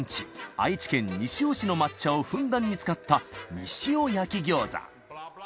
愛知県西尾市の抹茶をふんだんに使った西尾焼餃子。